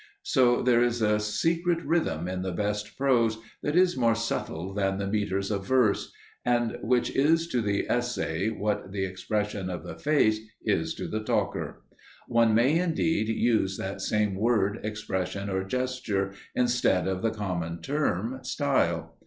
So there is a secret rhythm in the best prose that is more subtile than the metres of verse, and which is to the essay what the expression of the face is to the talker. One may, indeed, use that same word, expression or gesture, instead of the common term, style.